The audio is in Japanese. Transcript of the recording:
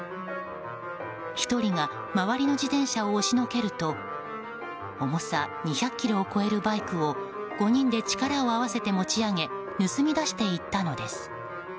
１人が周りの自転車を押しのけると重さ２００ｋｇを超えるバイクを５人で力を合わせて持ち上げ盗み出していったのです。